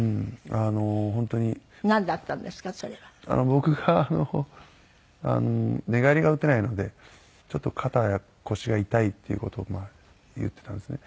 僕が寝返りが打てないのでちょっと肩や腰が痛いっていう事を言ってたんですね。